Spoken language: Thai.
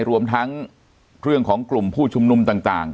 รวมทั้งเรื่องของกลุ่มผู้ชุมนุมต่าง